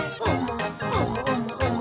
「おもおもおも！